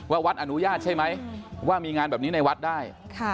วัดอนุญาตใช่ไหมว่ามีงานแบบนี้ในวัดได้